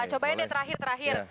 cobain deh terakhir terakhir